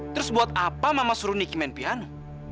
terus buat apa mama suruh niki main piano